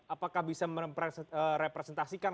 apakah bisa merepresentasikan